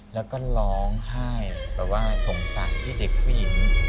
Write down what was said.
แล้วก็ร้องไห้แบบว่าสงสารที่เด็กผู้หญิง